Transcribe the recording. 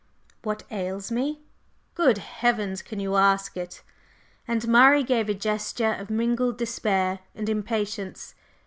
"What ails me? Good Heavens! Can you ask it!" and Murray gave a gesture of mingled despair and impatience.